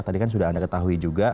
tadi kan sudah anda ketahui juga